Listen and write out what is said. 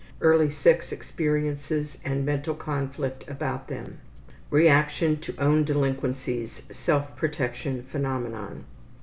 Early sex experiences and mental conflict about them. Reaction to own delinquencies, self protection phenomenon.